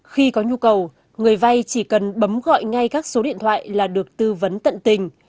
khi có nhu cầu người vay chỉ cần bấm gọi ngay các số điện thoại là được tư vấn tận tình